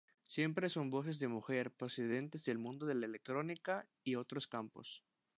Siempre son voces de mujer, procedentes del mundo de la electrónica y otros campos.